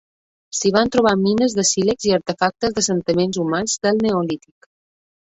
S'hi van trobar mines de sílex i artefactes d'assentaments humans del neolític.